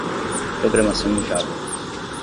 Programação em Java.